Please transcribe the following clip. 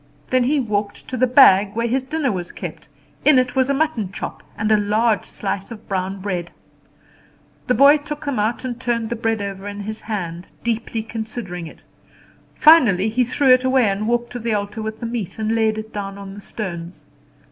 Then he walked to the bag where his dinner was kept; in it was a mutton chop and a large slice of brown bread. The boy took them out and turned the bread over in his hand, deeply considering it. Finally he threw it away and walked to the altar with the meat, and laid it down on the stones.